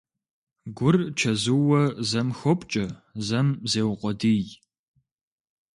Гур чэзууэ зэм хопкӀэ, зэм зеукъуэдий.